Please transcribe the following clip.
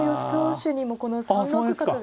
手にもこの３六角が。